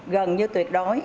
gần như tuyệt đối